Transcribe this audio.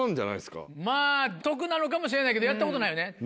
まぁ得意なのかもしれないけどやったことないよね。